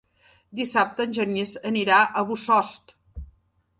Dissabte en Genís anirà a Bossòst.